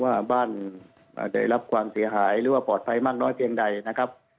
ว่าบ้านได้รับความเสียหายหรือว่าปลอดภัยมากน้อยเพียงใดนะครับ